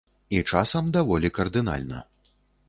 І часам даволі кардынальна.